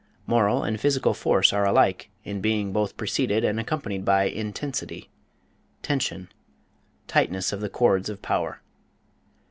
Moral and physical force are alike in being both preceded and accompanied by in tens ity tension tightness of the cords of power.